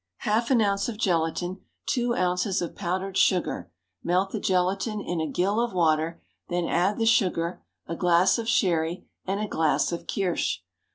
_ Half an ounce of gelatine, two ounces of powdered sugar; melt the gelatine in a gill of water, then add the sugar, a glass of sherry, and a glass of kirsch.